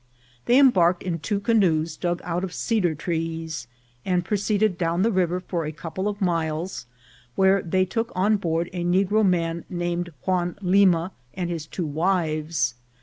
They embarked in two canoes dug out of cedar trees, and proceeded down the river for a couple of miles, where they took on board a negro man named Juan Lima, and his two wives.